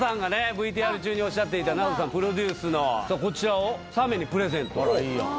ＶＴＲ中におっしゃっていたＮＡＯＴＯさんプロデュースのこちらを３名にプレゼントあらいいやん